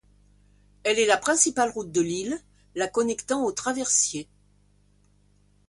Elle est la principale route de l'île, la connectant au traversier.